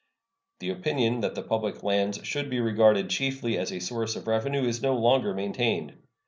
The opinion that the public lands should be regarded chiefly as a source of revenue is no longer maintained.